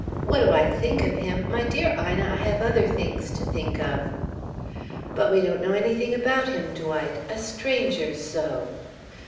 "What do I think of him? My dear Ina, I have other things to think of." "But we don't know anything about him, Dwight a stranger so."